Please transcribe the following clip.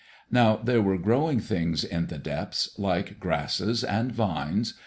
Now there were growing things in the depths, like grasses and vines.